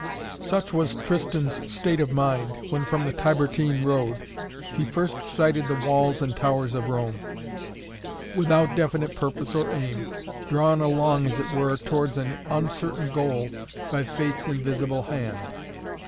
Such was Tristan's state of mind, when from the Tiburtine road he first sighted the walls and towers of Rome, without definite purpose or aim, drawn along, as it were, towards an uncertain goal by Fate's invisible hand.